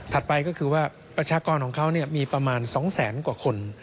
ไปก็คือว่าประชากรของเขามีประมาณ๒แสนกว่าคน